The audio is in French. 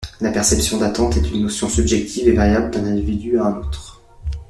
La perception d'attente est une notion subjective et variable d'un individu à un autre.